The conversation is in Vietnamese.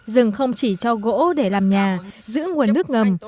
rừng không chỉ cho gỗ để làm nhà giữ nguồn nước ngầm